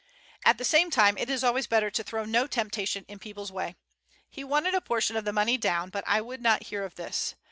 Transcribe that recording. At the same time it is always better to throw no temptation in people's way. He wanted a portion of the money down, but I would not hear of this.